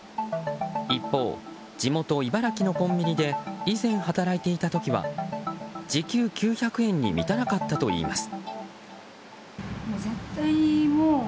一方、地元・茨城のコンビニで以前働いていた時は時給９００円に満たなかったといいます。